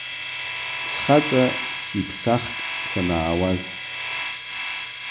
Схаҵа сиԥсахт санаауаз!